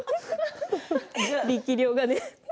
力量がね。